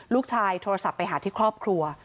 โทรศัพท์ไปหาที่ครอบครัว